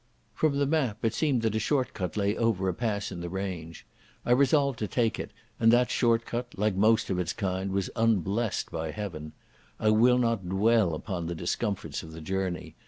From the map it seemed that a short cut lay over a pass in the range. I resolved to take it, and that short cut, like most of its kind, was unblessed by Heaven. I will not dwell upon the discomforts of the journey.